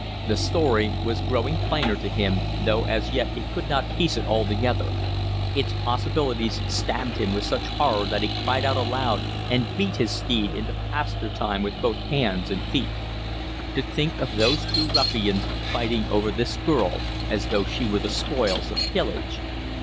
The story was growing plainer to him, though as yet he could not piece it all together. Its possibilities stabbed him with such horror that he cried out aloud and beat his steed into faster time with both hands and feet. To think of those two ruffians fighting over this girl as though she were the spoils of pillage!